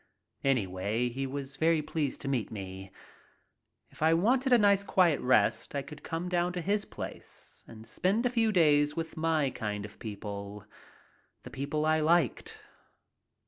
Anyway, he was very pleased to meet me. If I wanted a nice quiet rest I could come down to his place and spend a few days with my kind of people, the people I liked.